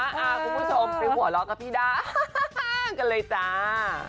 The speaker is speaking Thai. คุณผู้ชมไปหัวเราะกับพี่ด้ากันเลยจ้า